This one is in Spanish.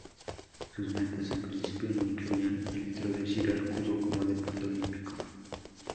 Sus metas en principio no incluían el introducir al judo como deporte olímpico.